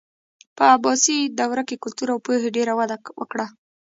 په عباسي دوره کې کلتور او پوهې ډېره وده وکړه.